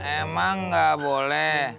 emang gak boleh